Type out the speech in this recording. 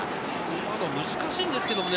今の難しいんですけどね。